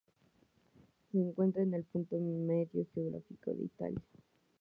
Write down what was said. Se encuentra en el punto medio geográfico de Italia.